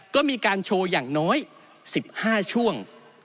ก็มีการโชว์อย่างน้อย๑๕ช่วง